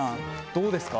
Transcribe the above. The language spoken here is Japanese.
どうですか？